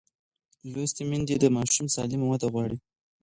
لوستې میندې د ماشوم سالمه وده غواړي.